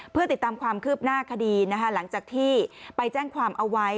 เพื่อติดตามความคืบหน้าคดีนะคะหลังจากที่ไปแจ้งความเอาไว้